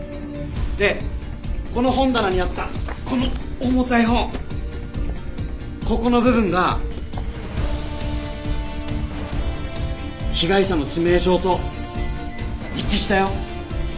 でこの本棚にあったこの重たい本ここの部分が被害者の致命傷と一致したよ。